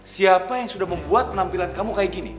siapa yang sudah membuat penampilan kamu kayak gini